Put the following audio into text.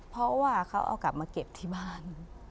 เพราะว่าเขาเอากลับมาเก็บที่บ้าน